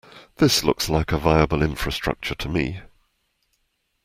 This looks like a viable infrastructure to me.